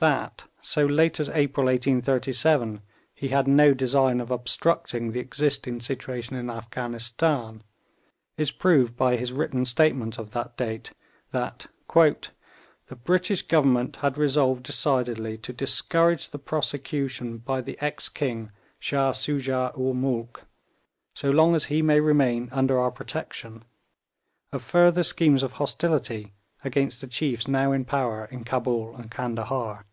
That, so late as April 1837, he had no design of obstructing the existing situation in Afghanistan is proved by his written statement of that date, that 'the British Government had resolved decidedly to discourage the prosecution by the ex king Shah Soojah ool Moolk, so long as he may remain under our protection, of further schemes of hostility against the chiefs now in power in Cabul and Candahar.'